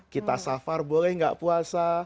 kita safar boleh nggak puasa